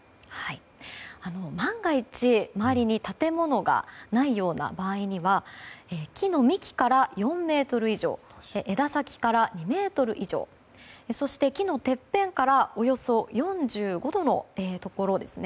万が一、周りに建物がないような場合には木の幹から４ｍ以上枝先から２ｍ以上そして木のてっぺんからおよそ４５度のところですね